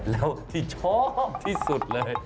แล้วที่ชอบที่สุดเลย